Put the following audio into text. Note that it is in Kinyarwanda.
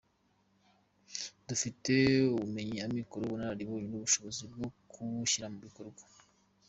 Dufite ubumenyi, amikoro, ubunararibonye n’ubushobozi bwo kuwushyira mu bikorwa.